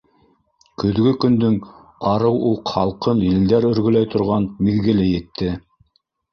Көҙгө көндөң арыу уҡ һалҡын елдәр өргөләй торған миҙгеле етте.